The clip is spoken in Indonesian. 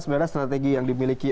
sebenarnya strategi yang dimiliki